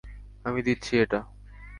আমি দিচ্ছি এটা।